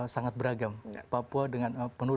sangat beragam papua penuh